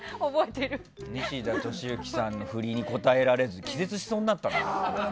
西田敏行さんの振りに答えられず気絶しそうになったんだから。